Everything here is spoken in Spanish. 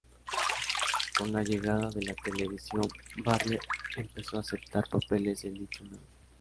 Con la llegada de la televisión, Barrie empezó a aceptar papeles en dicho medio.